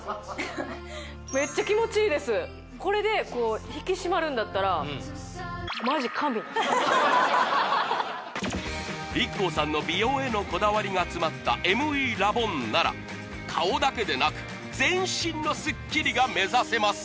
これでこう引き締まるんだったらＩＫＫＯさんの美容へのこだわりが詰まったＭＥラボンなら顔だけじゃなく全身のすっきりが目指せます！